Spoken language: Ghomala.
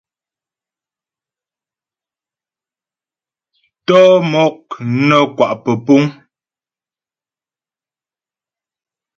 Tɔ'ɔ mɔk nə́ kwa' pə́púŋ.